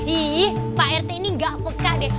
ih pak rt ini nggak peka deh